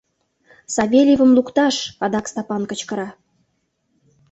— Савельевым лукташ! — адак Стапан кычкыра.